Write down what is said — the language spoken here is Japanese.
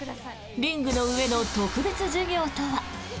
リングの上の特別授業とは？